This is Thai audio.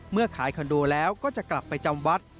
ขายคอนโดแล้วก็จะกลับไปจำวัด